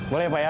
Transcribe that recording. boleh ya pak ya